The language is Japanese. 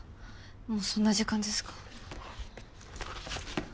もうそんな時間ですか。